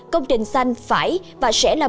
công trình xanh phải và sẽ là